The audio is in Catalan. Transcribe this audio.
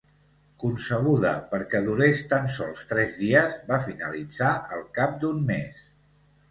Concebuda perquè durés tan sols tres dies, va finalitzar al cap d'un mes.